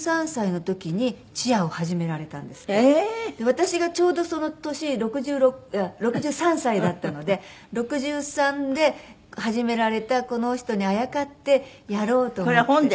私がちょうどその年６３歳だったので６３で始められたこの人にあやかってやろうと思って。